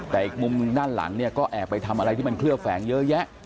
แต่มุมนั้นหลังก็แอบไปทำอะไรที่เหลือแฝงเยอะแยะ